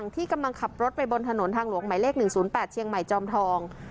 ที่กำลังขับรถไปบนถนนทางหลวงหมายเลข๑๐๘เชียงใหม่จอมทอง